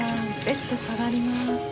ベッド下がります。